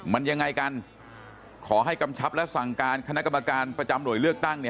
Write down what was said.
มันยังไงกันขอให้กำชับและสั่งการคณะกรรมการประจำหน่วยเลือกตั้งเนี่ย